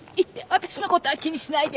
私の事は気にしないで。